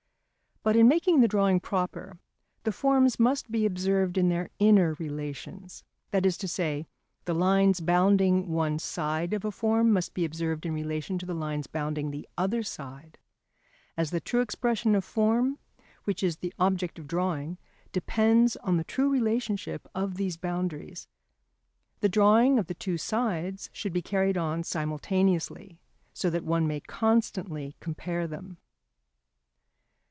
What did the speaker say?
But in making the drawing proper, the forms must be observed in their inner relations. That is to say, the lines bounding one side of a form must be observed in relation to the lines bounding the other side; as the true expression of form, which is the object of drawing, depends on the true relationship of these boundaries. The drawing of the two sides should be carried on simultaneously, so that one may constantly compare them.